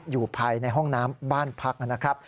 อยู่ภายในห้องน้ำบ้านพักนะครับ